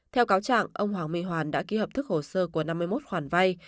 theo cáo trạng ông hoàng huy hoàn đã ký hợp thức hồ sơ của năm mươi một khoản vay